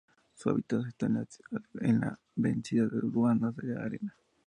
Su hábitat está en la vecindad de dunas de arena.